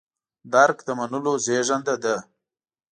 درک د منلو زېږنده ده.